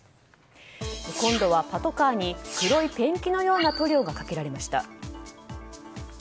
今度はパトカーに黒いペンキのような塗料がかけられました。